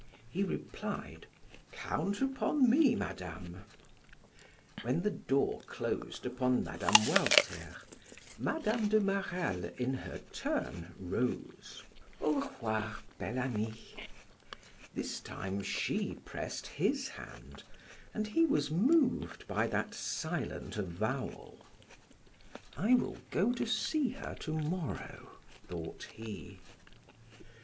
He replied: "Count upon me, Madame." When the door closed upon Mme. Walter, Mme. de Marelle, in her turn, rose. "Au revoir, Bel Ami." This time she pressed his hand and he was moved by that silent avowal. "I will go to see her to morrow," thought he.